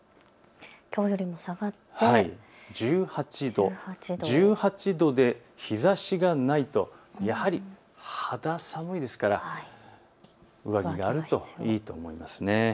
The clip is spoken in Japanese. きょうよりも下がって１８度で、日ざしがないとやはり肌寒いですから上着があるといいと思います。